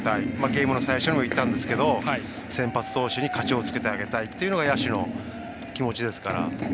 ゲームの最初にも言ったんですが先発投手に勝ちをつけてあげたいというのが野手の気持ちですから。